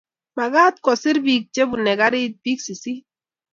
Mamagat kosir bik chebunei garit bik sisit